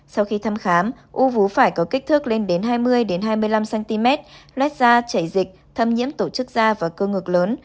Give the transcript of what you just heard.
sau khi thăm khám u vú phải có kích thước lên đến hai mươi hai mươi năm cm lét da chảy dịch thâm nhiễm tổ chức da và cư ngực lớn